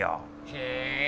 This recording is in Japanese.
へえ。